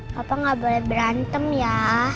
bapak nggak boleh berantem ya